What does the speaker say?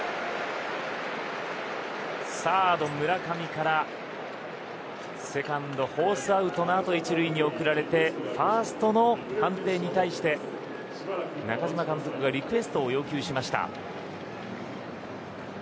サード、村上からセカンド、フォースアウトの後１塁に送られてファーストの判定に対して中嶋監督がリクエストを要求しました。